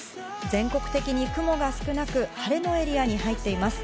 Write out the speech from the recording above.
全国的に雲が少なく、晴れのエリアに入っています。